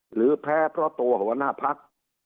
หรือแพ้เพราะตัวหัวหน้าพัก